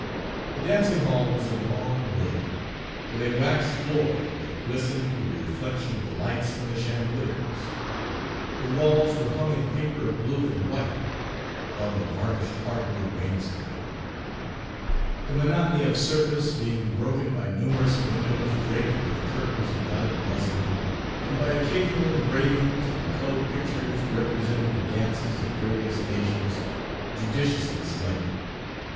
The dancing hall was a long room, with a waxed floor that glistened with the reflection of the lights from the chandeliers. The walls were hung in paper of blue and white, above a varnished hard wood wainscoting; the monotony of surface being broken by numerous windows draped with curtains of dotted muslin, and by occasional engravings and colored pictures representing the dances of various nations, judiciously selected.